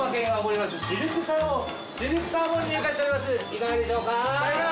いかがでしょうか？